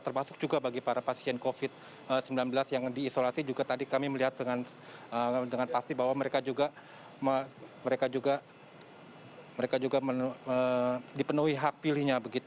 termasuk juga bagi para pasien covid sembilan belas yang diisolasi juga tadi kami melihat dengan pasti bahwa mereka juga mereka juga dipenuhi hak pilihnya